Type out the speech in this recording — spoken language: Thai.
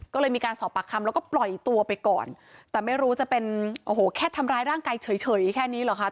ก็เลยมีการสอบปากคำแล้วก็ปล่อยตัวไปก่อนแต่ไม่รู้จะเป็นโอ้โหแค่ทำร้ายร่างกายเฉยแค่นี้เหรอคะ